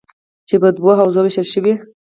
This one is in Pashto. چې په دوو حوزو ویشل شوي: